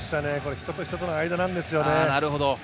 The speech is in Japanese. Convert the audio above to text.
人と人との間なんですよね。